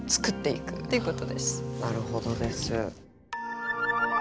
なるほどです。